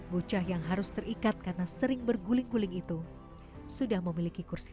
bocah yang harus terikat karena sering berguling guling itu sudah memiliki kursi